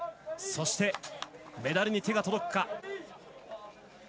そして、メダルに手が届くか。